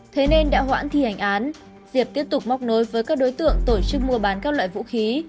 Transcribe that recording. thế nên đã hoãn thi hành án diệp tiếp tục móc nối với các đối tượng tổ chức mua bán các loại vũ khí